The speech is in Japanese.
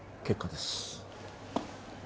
結果です。